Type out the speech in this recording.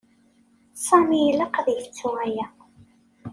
Sami ilaq ad yettu aya.